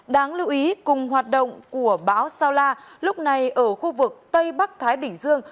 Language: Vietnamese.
đáng lưu ý cùng hoạt động của bão saula lúc này ở khu vực tây bắc thái bình dương